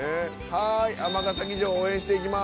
はい尼崎城応援していきます。